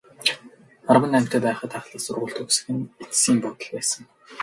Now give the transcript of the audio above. Арван наймтай байхад ахлах сургууль төгсөх нь эцсийн буудал байсан.